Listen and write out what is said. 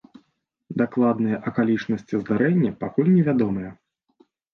Дакладныя акалічнасці здарэння пакуль невядомыя.